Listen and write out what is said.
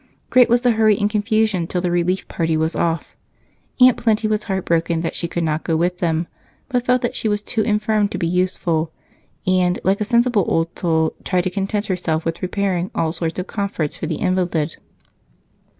Great was the hurry and confusion till the relief party was off. Aunt Plenty was heartbroken that she could not go with them, but felt that she was too infirm to be useful and, like a sensible old soul, tried to content herself with preparing all sorts of comforts for the invalid.